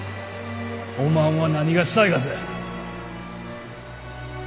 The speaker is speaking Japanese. おまんは何がしたいがぜ？